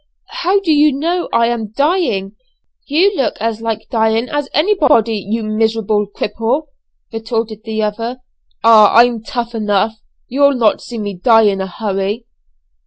"How do you know I am dying? You look as like dying as anybody, you miserable cripple," retorted the other. "Ah! I'm tough stuff, you'll not see me die in a hurry."